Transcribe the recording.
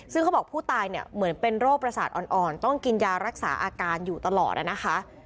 ซึ่งเขาบอกผู้ตายเนี่ยเหมือนเป็นโรคประสาทอ่อนต้องกินยารักษาอาการอยู่ตลอดนะคะ